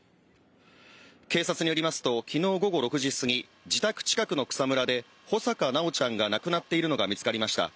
警察によりますと、きのう午後６時すぎ、自宅近くの草むらで穂坂修ちゃんが亡くなっているのが見つかりました。